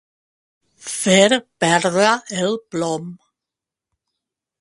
Fer perdre el plom.